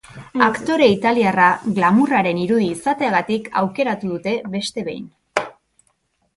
Aktore italiarra glamourraren irudi izateagatik aukeratu dute beste behin.